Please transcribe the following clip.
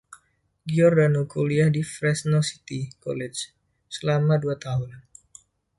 Giordano kuliah di Fresno City College selama dua tahun.